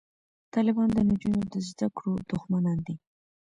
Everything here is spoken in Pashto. طالبان د نجونو د زده کړو دښمنان دي